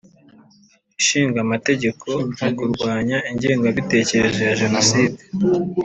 Ishinga Amategeko mu kurwanya ingengabitekerezo ya Jenoside